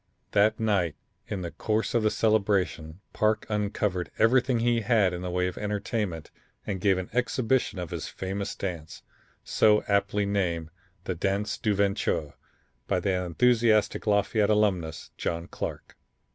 That night in the course of the celebration Parke uncovered everything he had in the way of entertainment and gave an exhibition of his famous dance, so aptly named the 'dance du venture,' by that enthusiastic Lafayette alumnus, John Clarke.